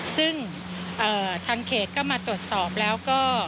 ซึ่งทางเขตก็มาตรวจสอบแล้วก็